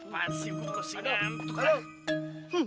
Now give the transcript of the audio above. masih gue kusingan